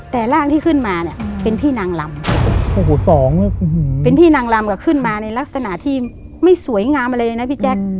แต่ร่างที่ขึ้นมาเนี่ยเป็นพี่นางลำโอ้โหสองเป็นพี่นางลำก็ขึ้นมาในลักษณะที่ไม่สวยงามอะไรเลยนะพี่แจ๊ค